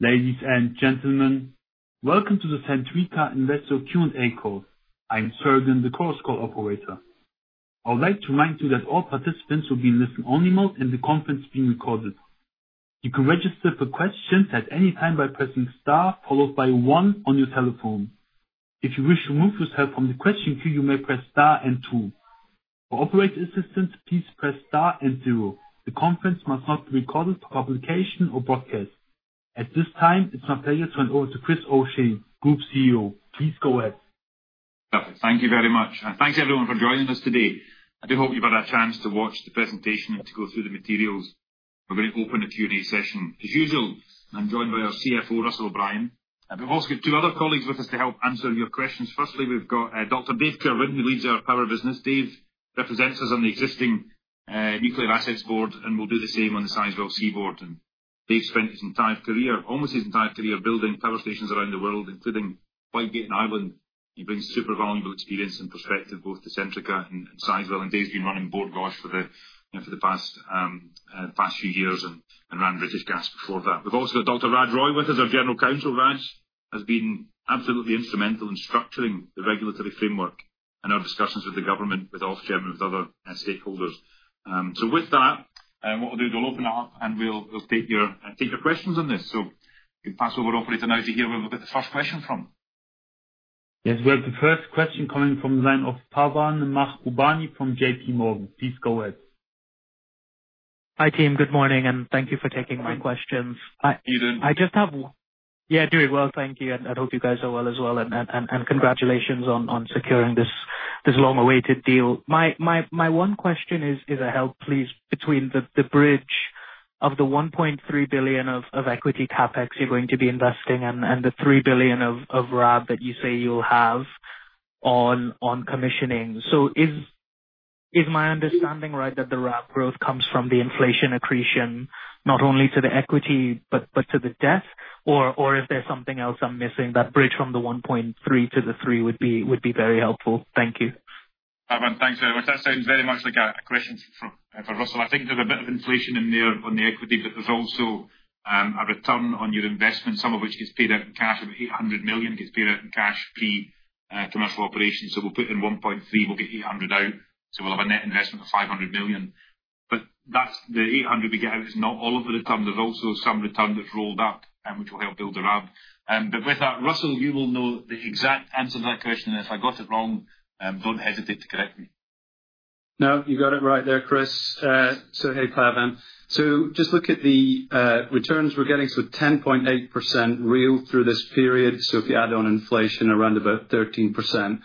Ladies and gentlemen, welcome to the Centrica Investor Q&A Call. I'm Sergeant, the cross-call operator. I would like to remind you that all participants will be in listen-only mode, and the conference is being recorded. You can register for questions at any time by pressing star followed by one on your telephone. If you wish to move yourself from the question queue, you may press star and two. For operator assistance, please press star and zero. The conference must not be recorded for publication or broadcast. At this time, it's my pleasure to hand over to Chris O’Shea, Group CEO. Please go ahead. Perfect. Thank you very much. Thanks, everyone, for joining us today. I do hope you've had a chance to watch the presentation and to go through the materials. We're going to open a Q&A session. As usual, I'm joined by our CFO, Russell O’Brien. We've also got two other colleagues with us to help answer your questions. Firstly, we've got Dr. Dave Clifford, who leads our power business. Dave represents us on the existing Nuclear Assets Board and will do the same on the Sizewell C Board. Dave spent almost his entire career building power stations around the world, including Whitegate in Ireland. He brings super valuable experience and perspective both to Centrica and Sizewell, and Dave's been running Bord Gáis for the past few years and ran British Gas before that. We've also got Dr. Raj Roy with us, our General Counsel. Raj has been absolutely instrumental in structuring the regulatory framework and our discussions with the government, with Ofgem, with other stakeholders. With that, what we'll do is we'll open it up and we'll take your questions on this. We can pass over to operator now to hear where we'll get the first question from. Yes, we have the first question coming from the line of Pavan Mahbubani from JP Morgan. Please go ahead. Hi, team. Good morning, and thank you for taking my questions. You're doing good. I just have. Yeah, doing well, thank you. I hope you guys are well as well. Congratulations on securing this long-awaited deal. My one question is a help, please, between the bridge of the 1.3 billion of equity CapEx you're going to be investing and the 3 billion of RAB that you say you'll have on commissioning. Is my understanding right that the RAB growth comes from the inflation accretion, not only to the equity but to the debt? Or is there something else I'm missing? That bridge from the 1.3 billion to the 3 billion would be very helpful. Thank you. Pavan, thanks very much. That sounds very much like a question for Russell. I think there is a bit of inflation in there on the equity, but there is also a return on your investment, some of which gets paid out in cash. About 800 million gets paid out in cash pre-commercial operations. We will put in 1.3 billion, we will get 800 million out. We will have a net investment of 500 million. The 800 million we get out is not all of the return. There is also some return that is rolled up, which will help build the RAB. With that, Russell, you will know the exact answer to that question. If I got it wrong, do not hesitate to correct me. No, you got it right there, Chris. So hey, Pavan. Just look at the returns we're getting. So 10.8% real through this period. If you add on inflation, around about 13%.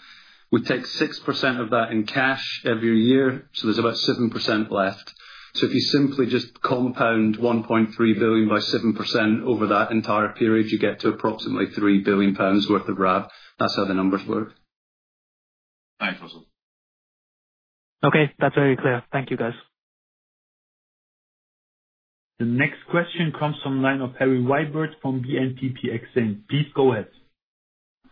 We take 6% of that in cash every year. There is about 7% left. If you simply just compound 1.3 billion by 7% over that entire period, you get to approximately 3 billion pounds worth of RAB. That is how the numbers work. Thanks, Russell. Okay, that's very clear. Thank you, guys. The next question comes from the line of Harry Wyburd from BNPP Exane. Please go ahead.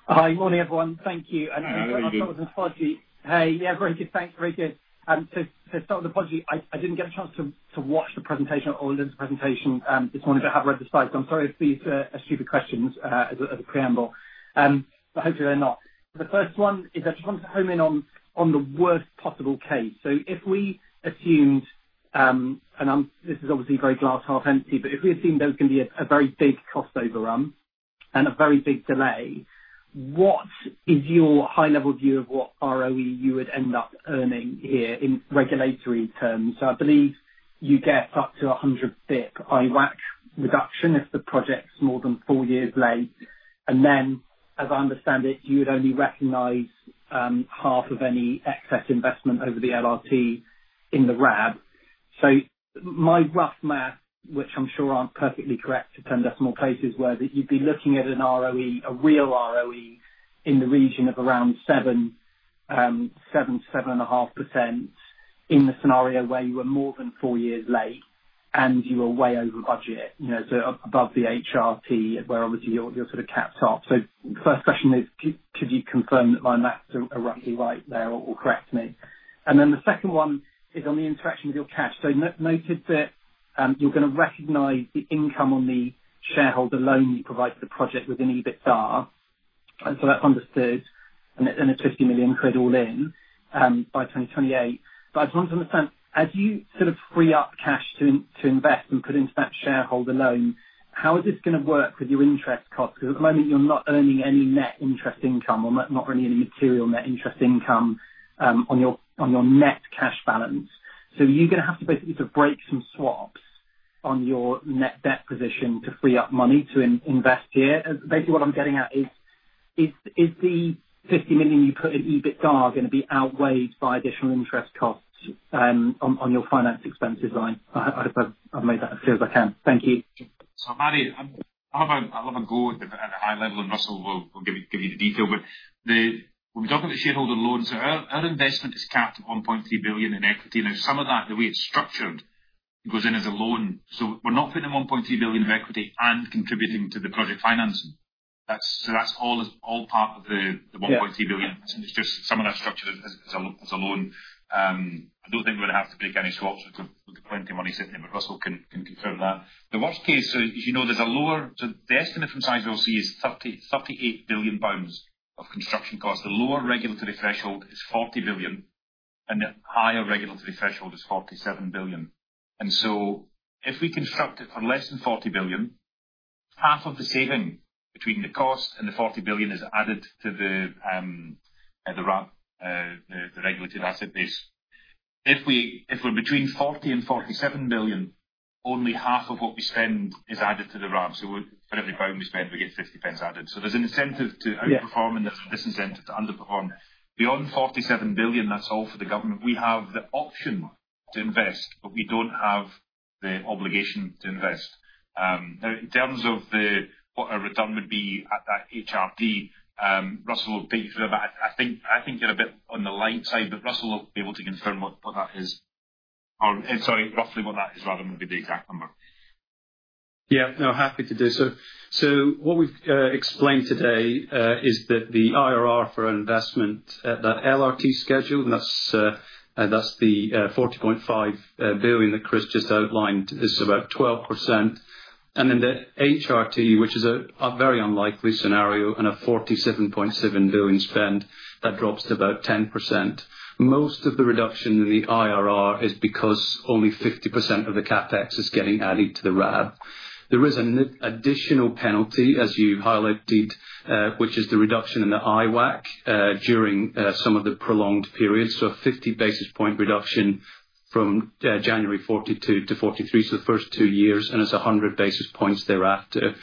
Hi, morning, everyone. Thank you. Hi, everyone. I'll start with the apology. Hey, yeah, very good. Thanks, very good. To start with the apology, I didn't get a chance to watch the presentation or listen to the presentation this morning, but I have read the slides. I'm sorry if these are stupid questions as a preamble. Hopefully, they're not. The first one is I just wanted to hone in on the worst possible case. If we assumed—this is obviously very glass-half empty—if we assumed there was going to be a very big cost overrun and a very big delay, what is your high-level view of what ROE you would end up earning here in regulatory terms? I believe you get up to 100 basis points IWAC reduction if the project's more than four years late. As I understand it, you would only recognize half of any excess investment over the LRT in the RAB. My rough math, which I'm sure aren't perfectly correct to 10 decimal places, was that you'd be looking at an ROE, a real ROE, in the region of around 7-7.5% in the scenario where you were more than four years late and you were way over budget, so above the HRT, where obviously you're sort of capped off. The first question is, could you confirm that my maths are roughly right there or correct me? The second one is on the interaction with your cash. Noted that you're going to recognize the income on the shareholder loan you provide to the project within EBITDA. That's understood. It's 50 million quid all in by 2028. I just wanted to understand, as you sort of free up cash to invest and put into that shareholder loan, how is this going to work with your interest costs? At the moment, you're not earning any net interest income or not earning any material net interest income on your net cash balance. You're going to have to basically sort of break some swaps on your net debt position to free up money to invest here. Basically, what I'm getting at is, is the 50 million you put in EBITDA going to be outweighed by additional interest costs on your finance expenses line? I hope I've made that as clear as I can. Thank you. I'll have a go at the high level, and Russell will give you the detail. When we talk about the shareholder loan, our investment is capped at 1.3 billion in equity. Now, some of that, the way it's structured, goes in as a loan. We're not putting in 1.3 billion of equity and contributing to the project financing. That's all part of the 1.3 billion. It's just some of that is structured as a loan. I don't think we're going to have to break any swaps. We've got plenty of money sitting there, but Russell can confirm that. The worst case, as you know, there's a lower—so the estimate from Sizewell C is 38 billion pounds of construction cost. The lower regulatory threshold is 40 billion, and the higher regulatory threshold is 47 billion. If we construct it for less than 40 billion, half of the saving between the cost and the 40 billion is added to the RAB, the regulated asset base. If we're between 40 billion and 47 billion, only half of what we spend is added to the RAB. For every pound we spend, we get 50 pence added. There's an incentive to outperform and there's a disincentive to underperform. Beyond 47 billion, that's all for the government. We have the option to invest, but we don't have the obligation to invest. In terms of what our return would be at that HRT, Russell, thank you for that. I think you're a bit on the light side, but Russell will be able to confirm what that is. Sorry, roughly what that is, rather, would be the exact number. Yeah, no, happy to do so. So what we've explained today is that the IRR for investment at the LRT schedule, and that's the 40.5 billion that Chris just outlined, is about 12%. And then the HRT, which is a very unlikely scenario and a 47.7 billion spend, that drops to about 10%. Most of the reduction in the IRR is because only 50% of the CapEx is getting added to the RAB. There is an additional penalty, as you highlighted, which is the reduction in the IWACC during some of the prolonged periods. So a 50 basis point reduction from January 2042 to 2043, so the first two years, and it's 100 basis points thereafter.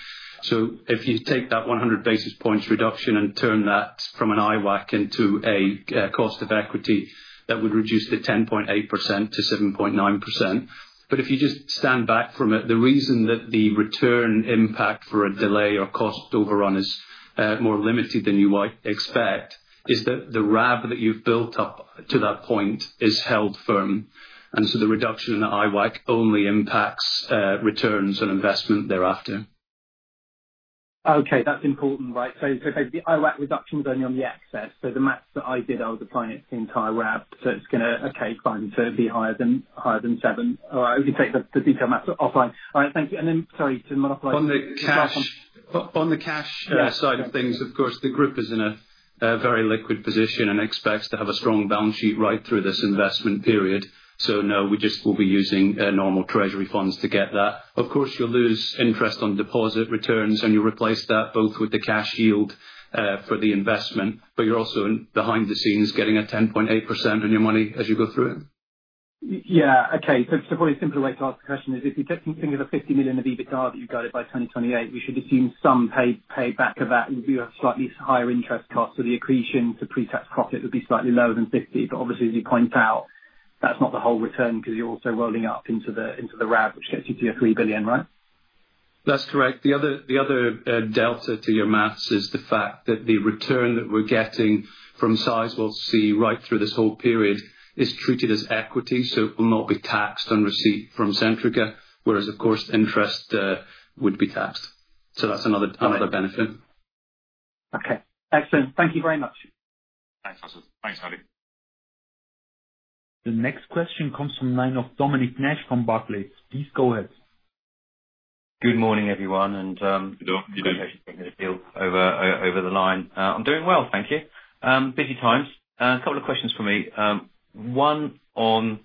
If you take that 100 basis points reduction and turn that from a WACC into a cost of equity, that would reduce to 10.8% to 7.9%. But if you just stand back from it, the reason that the return impact for a delay or cost overrun is more limited than you might expect is that the RAB that you've built up to that point is held firm. The reduction in the WACC only impacts returns on investment thereafter. Okay, that's important, right? The IWACC reduction's only on the excess. The maths that I did, I was applying it to the entire RAB. It's going to, okay, fine, it'd be higher than 7. All right, if you take the detailed maths offline. All right, thank you. Sorry, to modify— On the cash side of things, of course, the group is in a very liquid position and expects to have a strong balance sheet right through this investment period. No, we just will be using normal treasury funds to get that. Of course, you'll lose interest on deposit returns, and you'll replace that both with the cash yield for the investment. You're also behind the scenes getting a 10.8% on your money as you go through it. Yeah, okay. Probably a simpler way to ask the question is, if you think of 50 million of EBITDA that you've got it by 2028, we should assume some payback of that would be a slightly higher interest cost. The accretion to pre-tax profit would be slightly lower than 50. Obviously, as you point out, that's not the whole return because you're also rolling up into the RAB, which gets you to your 3 billion, right? That's correct. The other delta to your maths is the fact that the return that we're getting from Sizewell C right through this whole period is treated as equity. It will not be taxed on receipt from Centrica, whereas, of course, interest would be taxed. That's another benefit. Okay, excellent. Thank you very much. Thanks, Russell. Thanks, Harry. The next question comes from the line of Dominic Nash from Barclays. Please go ahead. Good morning, everyone. Good morning. Over the line. I'm doing well, thank you. Busy times. A couple of questions for me. One on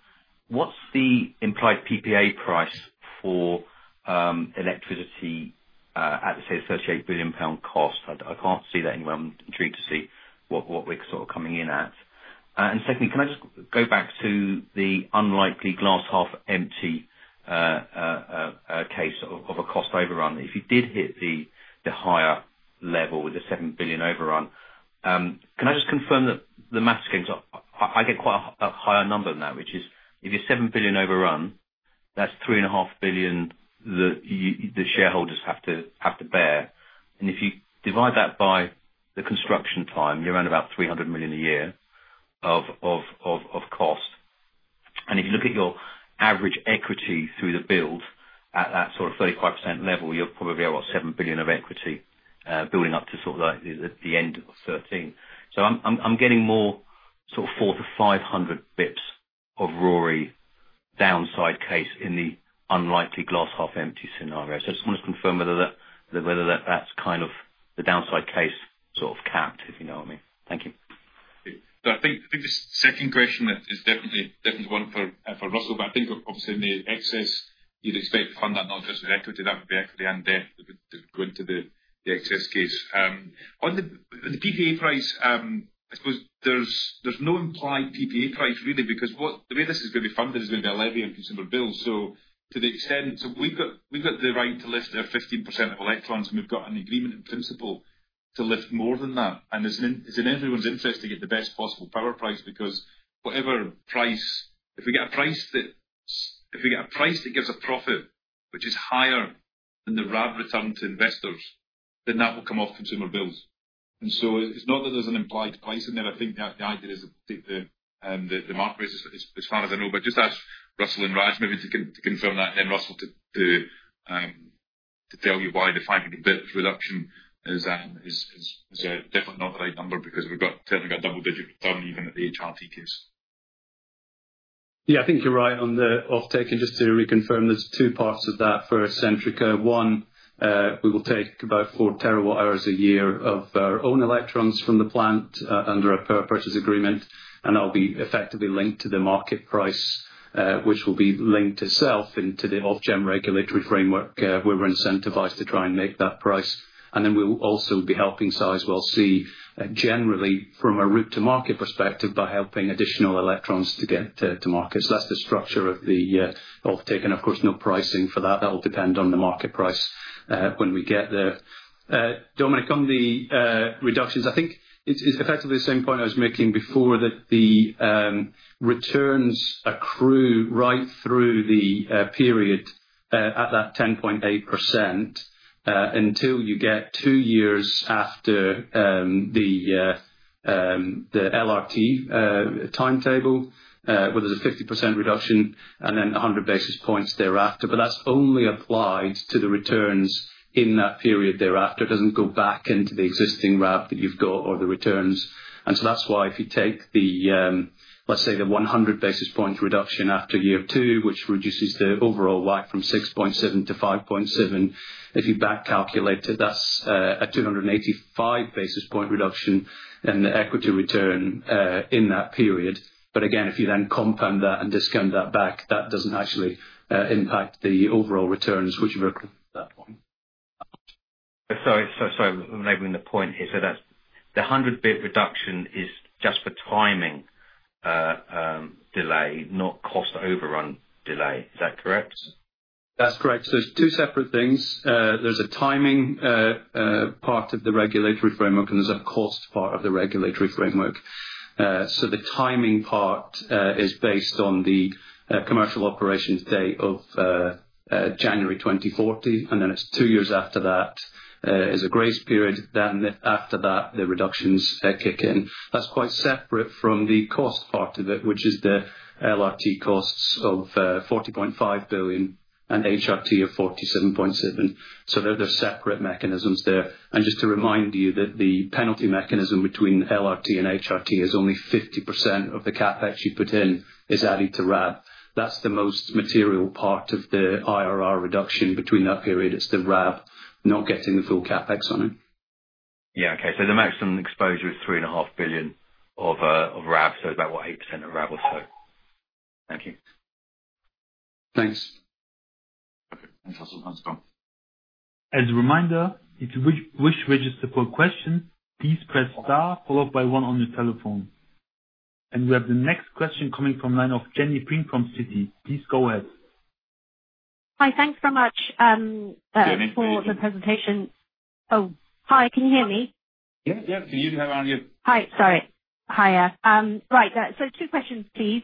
what's the implied PPA price for electricity at, say, the 38 billion pound cost? I can't see that anywhere. I'm intrigued to see what we're sort of coming in at. Secondly, can I just go back to the unlikely glass-half empty case of a cost overrun? If you did hit the higher level with the 7 billion overrun, can I just confirm that the maths came—I get quite a higher number than that, which is if you're 7 billion overrun, that's 3.5 billion that the shareholders have to bear. If you divide that by the construction time, you're around about 300 million a year of cost. If you look at your average equity through the build at that sort of 35% level, you're probably at about 7 billion of equity building up to sort of the end of 2013. I'm getting more sort of 400-500 basis points of RORI downside case in the unlikely glass-half empty scenario. I just wanted to confirm whether that's kind of the downside case sort of capped, if you know what I mean. Thank you. I think the second question is definitely one for Russell, but I think obviously in the excess, you'd expect to fund that not just with equity. That would be equity and debt that would go into the excess case. On the PPA price, I suppose there's no implied PPA price, really, because the way this is going to be funded is going to be a levy on consumer bills. To the extent we've got the right to lift their 15% of electrons, and we've got an agreement in principle to lift more than that. It is in everyone's interest to get the best possible power price because whatever price, if we get a price that gives a profit which is higher than the RAB return to investors, then that will come off consumer bills. It is not that there's an implied price in there. I think the idea is that the market price is as far as I know. Just ask Russell and Raj maybe to confirm that, and then Russell to tell you why the 500 basis points reduction is definitely not the right number because we've certainly got double-digit return even at the HRT case. Yeah, I think you're right on the offtake. And just to reconfirm, there's two parts of that for Centrica. One, we will take about four terawatt hours a year of our own electrons from the plant under a purchase agreement, and that will be effectively linked to the market price, which will be linked itself into the Ofgem regulatory framework where we're incentivized to try and make that price. And then we'll also be helping Sizewell C generally from a route-to-market perspective by helping additional electrons to get to market. So that's the structure of the offtake. And of course, no pricing for that. That will depend on the market price when we get there. Dominic, on the reductions, I think it's effectively the same point I was making before that the returns accrue right through the period at that 10.8% until you get two years after the LRT timetable, where there's a 50% reduction and then 100 basis points thereafter. But that's only applied to the returns in that period thereafter. It doesn't go back into the existing RAB that you've got or the returns. And so that's why if you take the, let's say, the 100 basis points reduction after year two, which reduces the overall WACC from 6.7% to 5.7%, if you back-calculate it, that's a 285 basis point reduction in the equity return in that period. But again, if you then compound that and discount that back, that doesn't actually impact the overall returns, which we're at that point. Sorry, I'm enabling the point here. The 100 basis point reduction is just for timing delay, not cost overrun delay. Is that correct? That's correct. It's two separate things. There's a timing part of the regulatory framework, and there's a cost part of the regulatory framework. The timing part is based on the commercial operations date of January 2040, and then it's two years after that as a grace period. After that, the reductions kick in. That's quite separate from the cost part of it, which is the LRT costs of 40.5 billion and HRT of 47.7 billion. There are separate mechanisms there. Just to remind you that the penalty mechanism between LRT and HRT is only 50% of the CapEx you put in is added to RAB. That's the most material part of the IRR reduction between that period. It's the RAB not getting the full CapEx on it. Yeah, okay. So the maximum exposure is 3.5 billion of RAB. So it's about, what, 8% of RAB or so? Thank you. Thanks. Okay. Thanks, Russell. That's fine. As a reminder, if you wish to register for a question, please press star followed by one on your telephone. We have the next question coming from the line of Jenny Ping from Citi. Please go ahead. Hi, thanks very much. Hey, Amy? For the presentation. Oh, hi, can you hear me? Yeah, yeah. Can you hear me? Hi, sorry. Hi, yeah. Right, so two questions, please.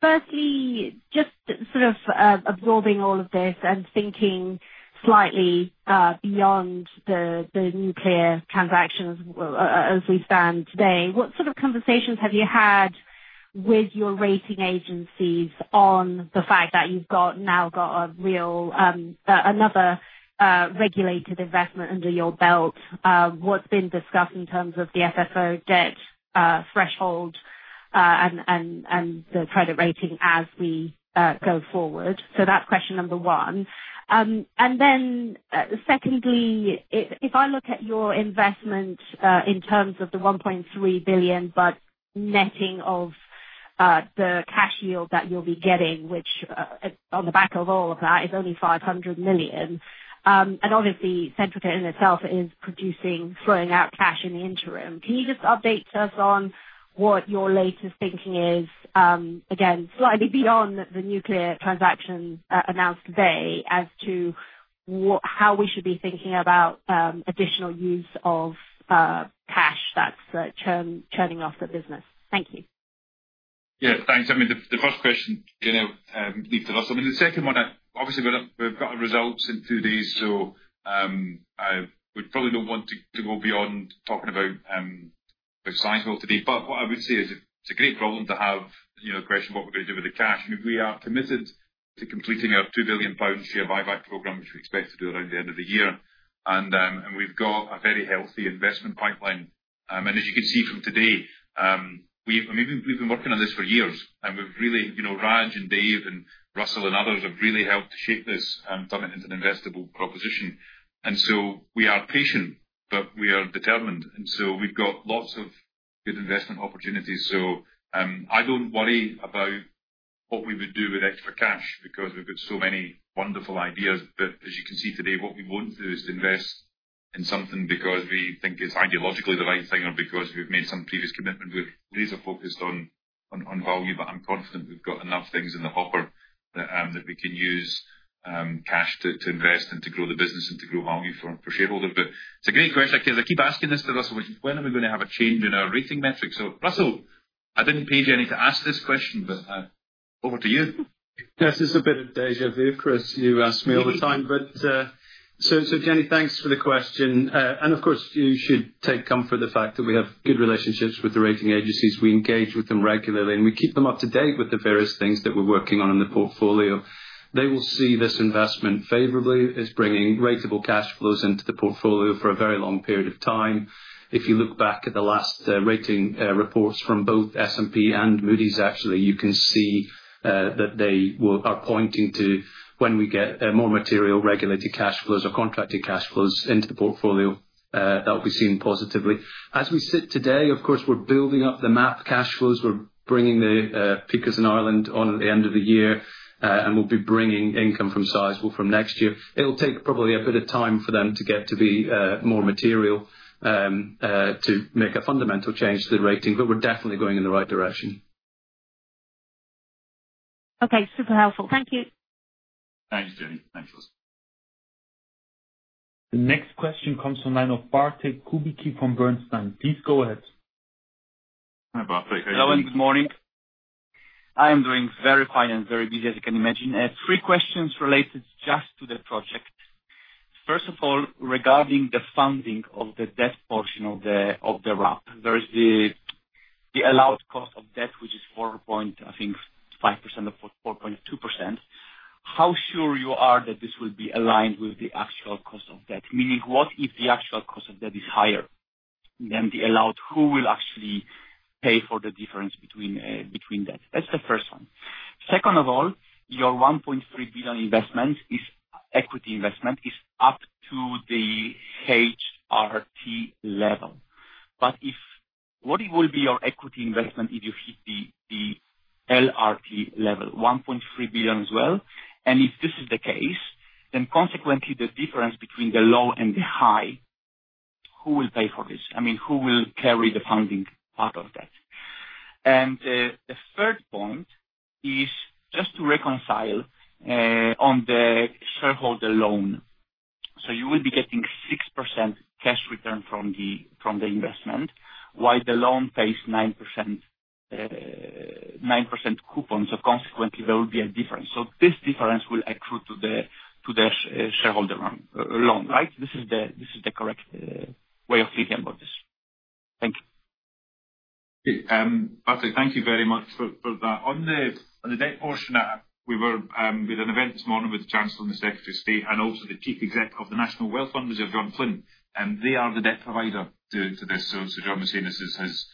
Firstly, just sort of absorbing all of this and thinking slightly beyond the nuclear transactions as we stand today, what sort of conversations have you had with your rating agencies on the fact that you've now got a real. Another. Regulated investment under your belt? What's been discussed in terms of the FFO debt threshold. And the credit rating as we go forward? That's question number one. Secondly, if I look at your investment in terms of the 1.3 billion, but netting off the cash yield that you'll be getting, which on the back of all of that is only 500 million. Obviously, Centrica in itself is flowing out cash in the interim. Can you just update us on what your latest thinking is, again, slightly beyond the nuclear transaction announced today as to how we should be thinking about additional use of cash that's churning off the business? Thank you. Yeah, thanks. I mean, the first question is going to leave to Russell. I mean, the second one, obviously, we've got our results in two days, so we probably do not want to go beyond talking about Sizewell today. What I would say is it's a great problem to have, a question of what we're going to do with the cash. I mean, we are committed to completing our 2 billion pound share buyback program, which we expect to do around the end of the year. We've got a very healthy investment pipeline. As you can see from today, I mean, we've been working on this for years. Raj and Dave and Russell and others have really helped to shape this and turn it into an investable proposition. We are patient, but we are determined. We've got lots of good investment opportunities. I do not worry about what we would do with extra cash because we've got so many wonderful ideas. As you can see today, what we want to do is to invest in something not because we think it's ideologically the right thing or because we've made some previous commitment. We're laser-focused on value, but I'm confident we've got enough things in the hopper that we can use cash to invest and to grow the business and to grow value for shareholders. It's a great question. I keep asking this to Russell, which is when are we going to have a change in our rating metrics? Russell, I did not pay Jenny to ask this question, but over to you. Yes, it's a bit of déjà vu, Chris. You ask me all the time. Jenny, thanks for the question. Of course, you should take comfort in the fact that we have good relationships with the rating agencies. We engage with them regularly, and we keep them up to date with the various things that we're working on in the portfolio. They will see this investment favorably as bringing ratable cash flows into the portfolio for a very long period of time. If you look back at the last rating reports from both S&P and Moody's, actually, you can see that they are pointing to when we get more material regulated cash flows or contracted cash flows into the portfolio, that will be seen positively. As we sit today, of course, we're building up the map cash flows. We're bringing the Pickers in Ireland on the end of the year, and we'll be bringing income from Sizewell from next year. It'll take probably a bit of time for them to get to be more material to make a fundamental change to the rating, but we're definitely going in the right direction. Okay, super helpful. Thank you. Thanks, Jenny. Thanks, Russell. The next question comes from the line of Bartłomiej Kubicki from Bernstein. Please go ahead. Hi, Bartłomiej. How are you? Hello, and good morning. I am doing very fine and very busy, as you can imagine. Three questions related just to the project. First of all, regarding the funding of the debt portion of the RAB, there is the allowed cost of debt, which is 4. I think 5% or 4.2%. How sure you are that this will be aligned with the actual cost of debt? Meaning, what if the actual cost of debt is higher than the allowed? Who will actually pay for the difference between that? That's the first one. Second of all, your 1.3 billion investment is equity investment is up to the HRT level. But what will be your equity investment if you hit the LRT level? 1.3 billion as well? And if this is the case, then consequently, the difference between the low and the high. Who will pay for this? I mean, who will carry the funding part of that? The third point is just to reconcile on the shareholder loan. So you will be getting 6% cash return from the investment, while the loan pays 9% coupons. Consequently, there will be a difference. This difference will accrue to the shareholder loan, right? This is the correct way of thinking about this. Thank you. Okay. Thank you very much for that. On the debt portion, we were at an event this morning with the Chancellor and the Secretary of State, and also the Chief Executive of the National Wealth Fund, which is John Flint. They are the debt provider to this. So John Flint has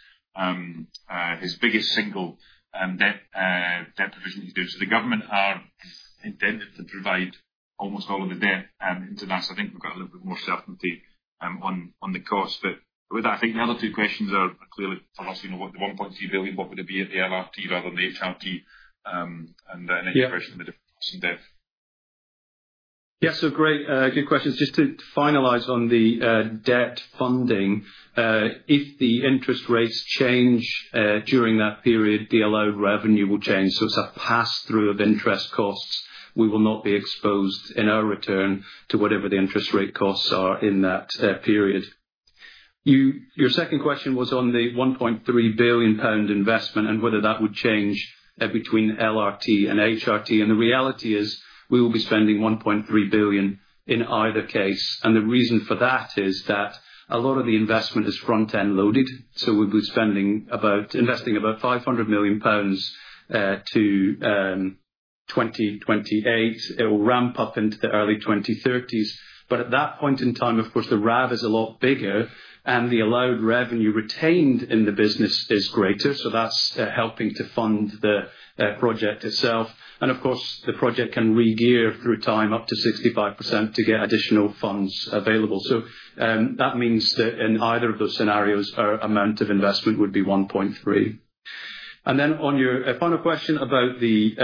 his biggest single debt provision he is doing. The government are intended to provide almost all of the debt into that. I think we have got a little bit more certainty on the cost. With that, I think the other two questions are clearly for Russell. The 1.3 billion, what would it be at the LRT rather than the HRT? The next question, the debt cost and debt. Yeah, so great questions. Just to finalize on the debt funding. If the interest rates change during that period, the allowed revenue will change. It is a pass-through of interest costs. We will not be exposed in our return to whatever the interest rate costs are in that period. Your second question was on the 1.3 billion pound investment and whether that would change between LRT and HRT. The reality is we will be spending 1.3 billion in either case. The reason for that is that a lot of the investment is front-end loaded. We will be investing about 500 million pounds to 2028. It will ramp up into the early 2030s. At that point in time, of course, the RAB is a lot bigger, and the allowed revenue retained in the business is greater. That is helping to fund the project itself. Of course, the project can regear through time up to 65% to get additional funds available. That means that in either of those scenarios, our amount of investment would be 1.3 billion. Then on your final question about the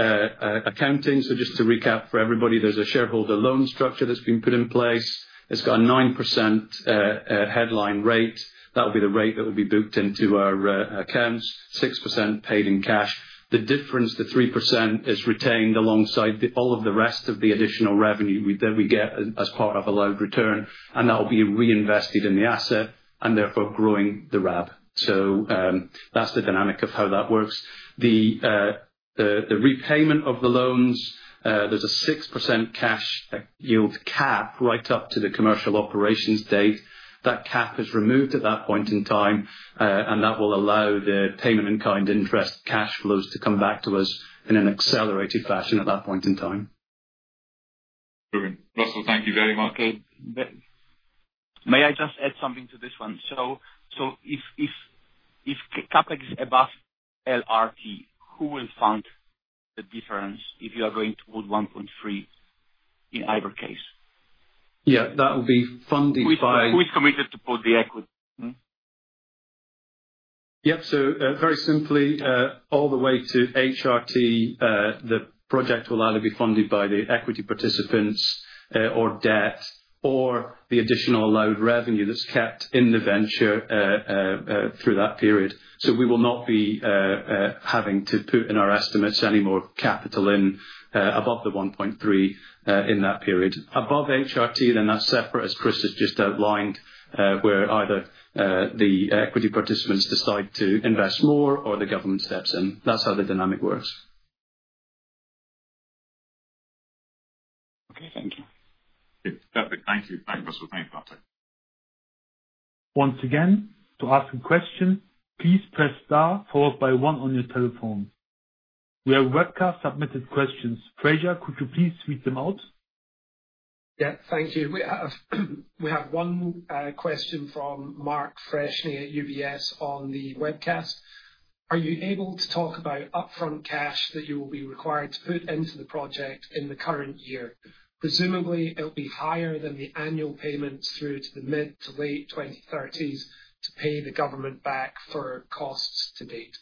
accounting, just to recap for everybody, there is a shareholder loan structure that has been put in place. It has a 9% headline rate. That will be the rate that will be booked into our accounts, 6% paid in cash. The difference, the 3%, is retained alongside all of the rest of the additional revenue that we get as part of allowed return, and that will be reinvested in the asset and therefore growing the RAB. That is the dynamic of how that works. The repayment of the loans, there is a 6% cash yield cap right up to the Commercial Operations Date. That cap is removed at that point in time, and that will allow the payment in kind interest cash flows to come back to us in an accelerated fashion at that point in time. Okay. Russell, thank you very much. May I just add something to this one? If CapEx is above LRT, who will fund the difference if you are going to put 1.3 billion in either case? Yeah, that will be funded by. Who is committed to put the equity? Yep. Very simply, all the way to HRT, the project will either be funded by the equity participants or debt or the additional allowed revenue that's kept in the venture through that period. We will not be having to put in our estimates any more capital in above the 1.3 billion in that period. Above HRT, then that's separate, as Chris has just outlined, where either the equity participants decide to invest more or the government steps in. That's how the dynamic works. Okay, thank you. Okay. Perfect. Thank you. Thank you, Russell. Thank you, Bartłomiej. Once again, to ask a question, please press star followed by one on your telephone. We have webcast submitted questions. Fraser, could you please sweep them out? Yeah, thank you. We have one question from Mark Freshney at UBS on the webcast. Are you able to talk about upfront cash that you will be required to put into the project in the current year? Presumably, it'll be higher than the annual payments through to the mid to late 2030s to pay the government back for costs to date.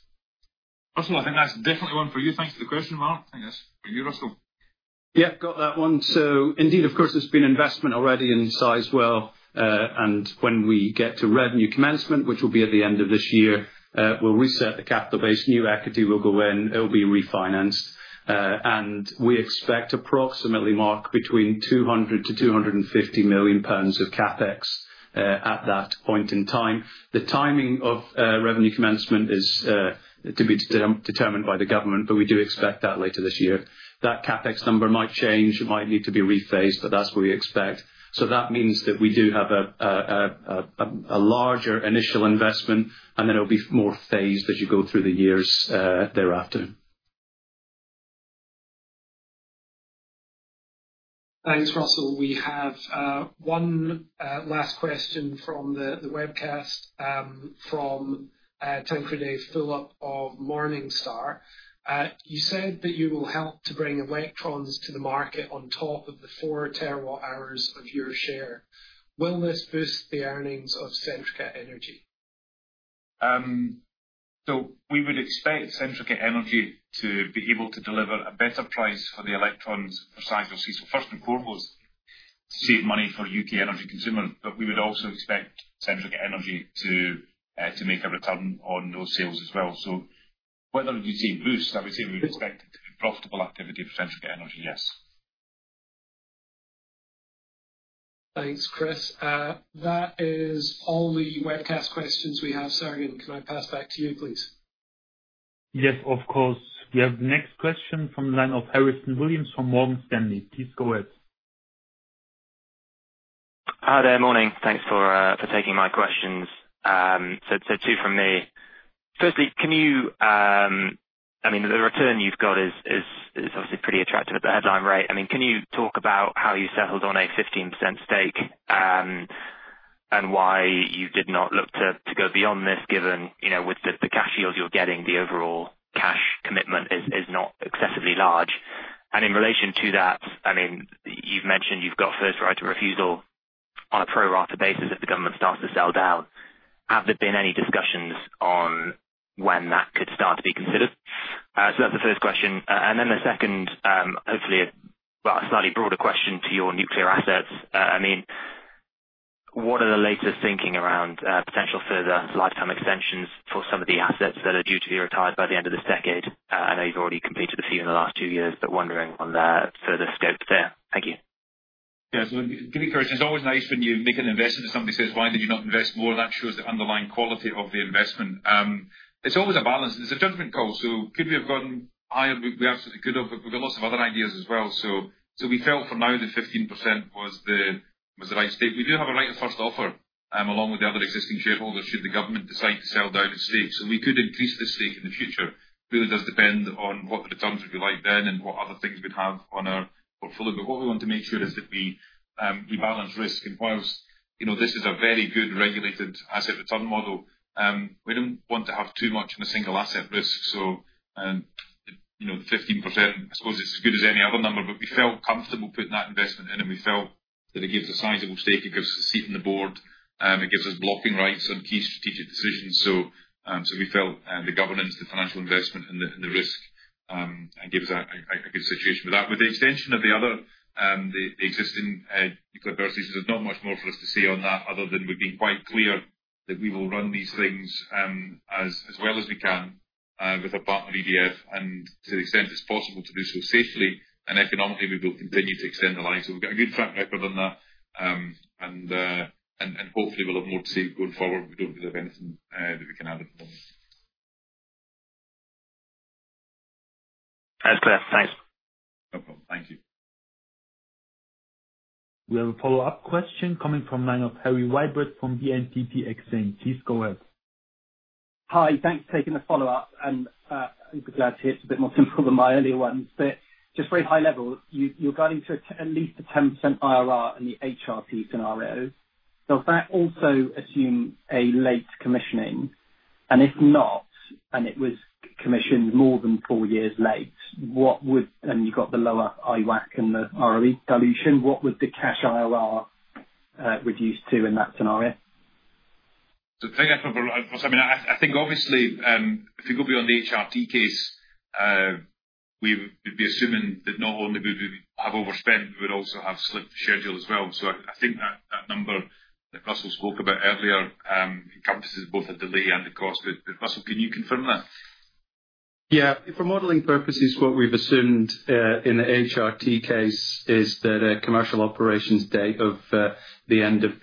Russell, I think that's definitely one for you. Thanks for the question, Mark. I think that's for you, Russell. Yeah, got that one. So indeed, of course, there's been investment already in Sizewell. When we get to revenue commencement, which will be at the end of this year, we'll reset the capital base. New equity will go in. It'll be refinanced. We expect approximately, Mark, between 200 million-250 million pounds of CapEx at that point in time. The timing of revenue commencement is to be determined by the government, but we do expect that later this year. That CapEx number might change. It might need to be rephased, but that's what we expect. That means that we do have a larger initial investment, and then it'll be more phased as you go through the years thereafter. Thanks, Russell. We have one last question from the webcast from Phil of Morningstar. You said that you will help to bring electrons to the market on top of the four terawatt hours of your share. Will this boost the earnings of Centrica Energy? We would expect Centrica Energy to be able to deliver a better price for the electrons for Sizewell. First and foremost, to save money for U.K. energy consumers. We would also expect Centrica Energy to make a return on those sales as well. Whether you see a boost, I would say we would expect it to be profitable activity for Centrica Energy, yes. Thanks, Chris. That is all the webcast questions we have. Sergeant, can I pass back to you, please? Yes, of course. We have the next question from the line of Harrison Williams from Morgan Stanley. Please go ahead. Hi, there. Morning. Thanks for taking my questions. Two from me. Firstly, can you—I mean, the return you've got is obviously pretty attractive at the headline rate. Can you talk about how you settled on a 15% stake, and why you did not look to go beyond this, given with the cash yield you're getting, the overall cash commitment is not excessively large? In relation to that, you've mentioned you've got first right of refusal on a pro-rata basis if the government starts to sell down. Have there been any discussions on when that could start to be considered? That's the first question. The second, hopefully, a slightly broader question to your nuclear assets. What are the latest thinking around potential further lifetime extensions for some of the assets that are due to be retired by the end of this decade? I know you've already completed a few in the last two years, but wondering on the further scope there. Thank you. Yeah. To be clear, it's always nice when you make an investment and somebody says, "Why did you not invest more?" That shows the underlying quality of the investment. It's always a balance. It's a judgment call. Could we have gotten higher? We absolutely could have. We have lots of other ideas as well. We felt for now that 15% was the right stake. We do have a right of first offer along with the other existing shareholders should the government decide to sell down its stake. We could increase the stake in the future. It really does depend on what the returns would be like then and what other things we would have in our portfolio. What we want to make sure is that we balance risk. For us, this is a very good regulated asset return model. We do not want to have too much in a single asset risk. The 15%, I suppose, is as good as any other number. We felt comfortable putting that investment in, and we felt that it gives a sizable stake. It gives us a seat on the board. It gives us blocking rights on key strategic decisions. We felt the governance, the financial investment, and the risk give a good situation. With the extension of the other, the existing nuclear bursts, there is not much more for us to say on that other than we have been quite clear that we will run these things as well as we can with a partner EDF and to the extent it is possible to do so safely and economically, we will continue to extend the line. We have a good track record on that. Hopefully, we will have more to say going forward. We do not really have anything that we can add at the moment. That's clear. Thanks. No problem. Thank you. We have a follow-up question coming from the line of Harry Wyburd from BNPP Exane. Please go ahead. Hi. Thanks for taking the follow-up. I'm glad to hear it's a bit more simple than my earlier ones. Just very high level, you're guiding to at least a 10% IRR in the HRT scenario. Does that also assume a late commissioning? If not, and it was commissioned more than four years late, what would—and you've got the lower IWACC and the ROE dilution—what would the cash IRR reduce to in that scenario? Take that from Russell. I mean, I think obviously, if you go beyond the HRT case, we'd be assuming that not only would we have overspent, we would also have slipped the schedule as well. I think that number that Russell spoke about earlier encompasses both the delay and the cost. Russell, can you confirm that? Yeah. For modeling purposes, what we've assumed in the HRT case is that a commercial operations date of the end of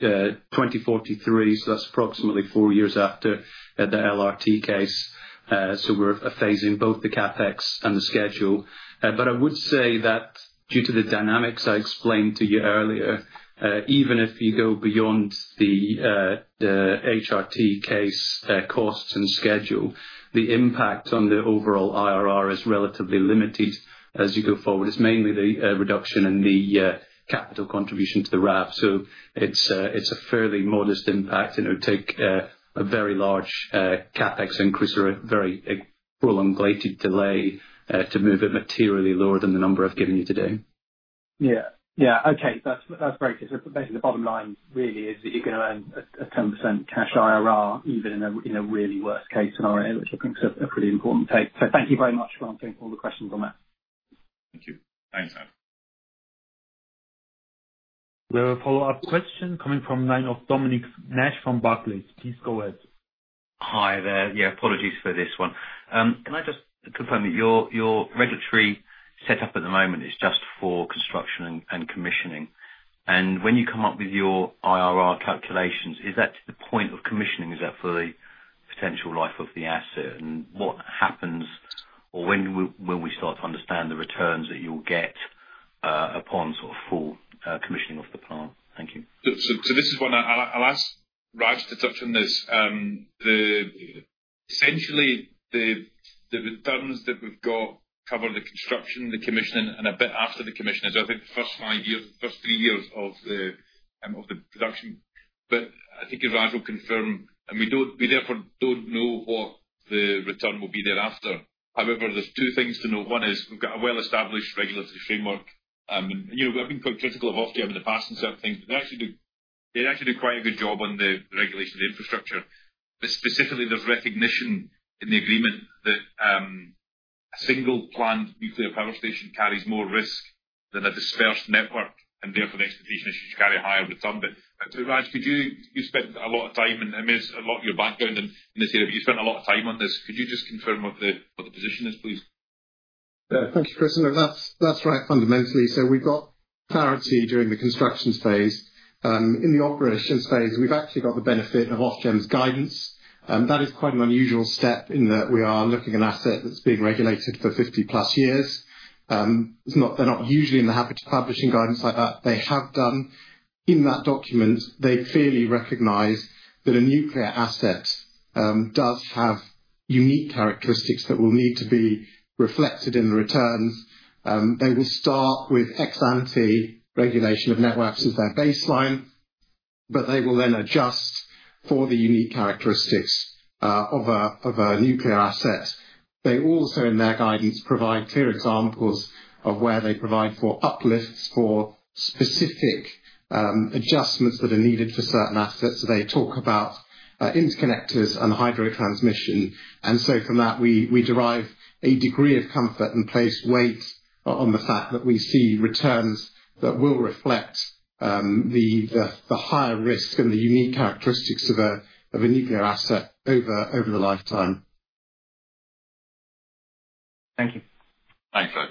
2043. So that's approximately four years after the LRT case. We're phasing both the CapEx and the schedule. I would say that due to the dynamics I explained to you earlier, even if you go beyond the HRT case costs and schedule, the impact on the overall IRR is relatively limited as you go forward. It's mainly the reduction in the capital contribution to the RAB. It's a fairly modest impact. It would take a very large CapEx increase or a very prolonged delay to move it materially lower than the number I've given you today. Yeah. Yeah. Okay. That's very clear. Basically, the bottom line really is that you're going to earn a 10% cash IRR even in a really worst-case scenario, which I think is a pretty important take. Thank you very much for answering all the questions on that. Thank you. Thanks. We have a follow-up question coming from the line of Dominic Nash from Barclays. Please go ahead. Hi there. Yeah, apologies for this one. Can I just confirm that your regulatory setup at the moment is just for construction and commissioning? When you come up with your IRR calculations, is that to the point of commissioning? Is that for the potential life of the asset? What happens, or when will we start to understand the returns that you'll get upon sort of full commissioning of the plant? Thank you. This is one I'll ask Raj to touch on. Essentially, the returns that we've got cover the construction, the commissioning, and a bit after the commissioning. I think the first three years of the production. I think Raj will confirm, and we therefore do not know what the return will be thereafter. However, there are two things to know. One is we have a well-established regulatory framework. We have been quite critical of Austria in the past on certain things, but they actually do quite a good job on the regulation of the infrastructure. Specifically, there is recognition in the agreement that a single planned nuclear power station carries more risk than a dispersed network, and therefore, the expectation is you should carry a higher return. Raj, could you—you spent a lot of time, and there is a lot of your background in this area. You spent a lot of time on this. Could you just confirm what the position is, please? Yeah. Thank you, Chris. No, that's right fundamentally. So we've got clarity during the construction phase. In the operations phase, we've actually got the benefit of Austria's guidance. That is quite an unusual step in that we are looking at an asset that's being regulated for 50-plus years. They're not usually in the habit of publishing guidance like that. They have done in that document. They clearly recognize that a nuclear asset does have unique characteristics that will need to be reflected in the returns. They will start with XANT regulation of networks as their baseline, but they will then adjust for the unique characteristics of a nuclear asset. They also, in their guidance, provide clear examples of where they provide for uplifts for specific adjustments that are needed for certain assets. So they talk about interconnectors and hydrotransmission. And from that, we derive a degree of comfort and place weight on the fact that we see returns that will reflect the higher risk and the unique characteristics of a nuclear asset over the lifetime. Thank you. Thanks, Raj.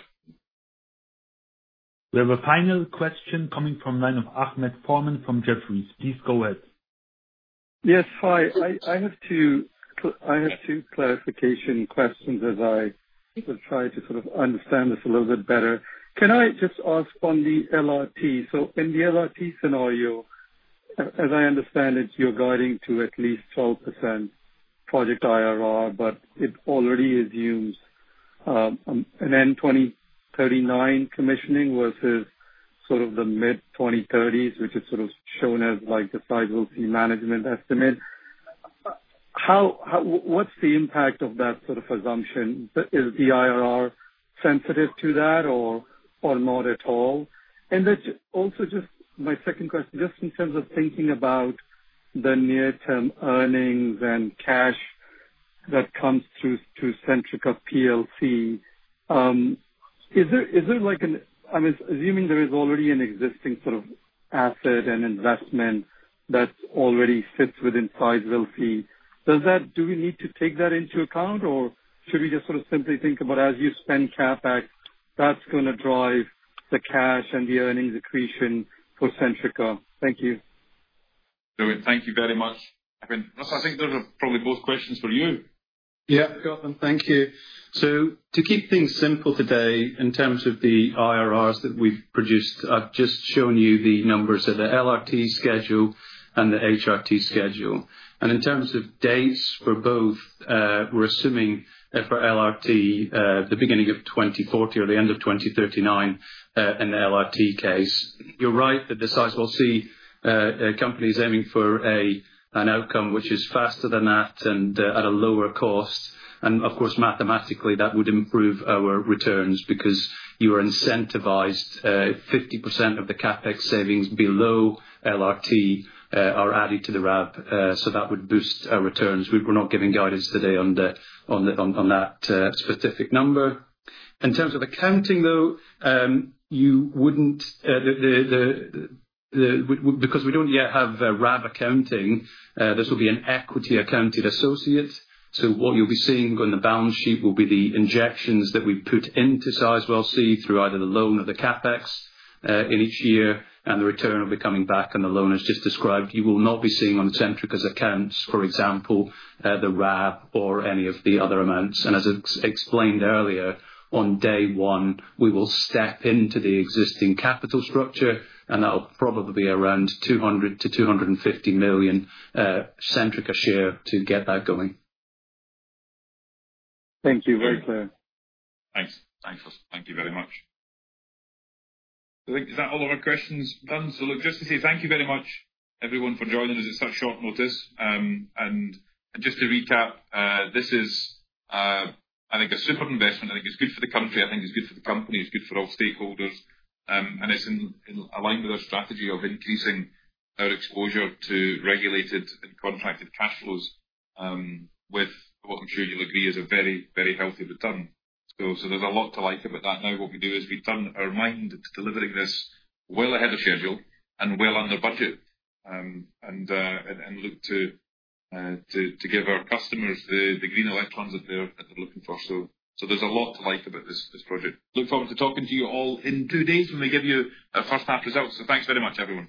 We have a final question coming from the line of Ahmed Farman from Jefferies. Please go ahead. Yes. Hi. I have two clarification questions as I try to sort of understand this a little bit better. Can I just ask on the LRT? In the LRT scenario, as I understand it, you're guiding to at least 12% project IRR, but it already assumes a 2039 commissioning versus sort of the mid-2030s, which is sort of shown as the Sizewell C management estimate. What's the impact of that sort of assumption? Is the IRR sensitive to that or not at all? Also, just my second question, just in terms of thinking about the near-term earnings and cash that comes through to Centrica. Is there an—I mean, assuming there is already an existing sort of asset and investment that already sits within Sizewell C, do we need to take that into account, or should we just sort of simply think about as you spend CapEx, that's going to drive the cash and the earnings accretion for Centrica? Thank you. Thank you very much, Kevin. Russell, I think those are probably both questions for you. Yeah. Got them. Thank you. To keep things simple today, in terms of the IRRs that we've produced, I've just shown you the numbers of the LRT schedule and the HRT schedule. In terms of dates for both, we're assuming for LRT the beginning of 2040 or the end of 2039 in the LRT case. You're right that the Sizewell C Company is aiming for an outcome which is faster than that and at a lower cost. Of course, mathematically, that would improve our returns because you are incentivized: 50% of the CapEx savings below LRT are added to the RAB. That would boost our returns. We're not giving guidance today on that specific number. In terms of accounting, though, you wouldn't, because we don't yet have RAB accounting, this will be an equity-accounted associate. What you'll be seeing on the balance sheet will be the injections that we put into Sizewell C through either the loan or the CapEx in each year, and the return will be coming back on the loan, as just described. You will not be seeing on Centrica's accounts, for example, the RAB or any of the other amounts. As explained earlier, on day one, we will step into the existing capital structure, and that'll probably be around 200 million-250 million Centrica share to get that going. Thank you. Very clear. Thanks. Thank you very much. I think is that all of our questions done? Just to say thank you very much, everyone, for joining us at such short notice. Just to recap, this is, I think, a super investment. I think it's good for the country. I think it's good for the company. It's good for all stakeholders. It's in alignment with our strategy of increasing our exposure to regulated and contracted cash flows, with what I'm sure you'll agree is a very, very healthy return. There's a lot to like about that. Now, what we do is we turn our mind to delivering this well ahead of schedule and well under budget, and look to give our customers the green electrons that they're looking for. There's a lot to like about this project. Look forward to talking to you all in two days when we give you our first half results. Thanks very much, everyone.